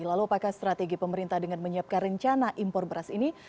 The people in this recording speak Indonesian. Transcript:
lalu apakah strategi pemerintah dengan menyiapkan rencana impor beras ini